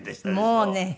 もうね。